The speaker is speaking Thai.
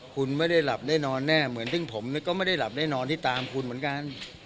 คุณไม่ได้หลับได้นอนแน่เหมือนซึ่งผมก็ไม่ได้หลับได้นอนที่ตามคุณเหมือนกัน